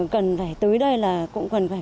cần phải tới đây là cũng cần phải